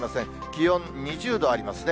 気温２０度ありますね。